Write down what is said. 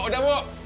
bu udah bu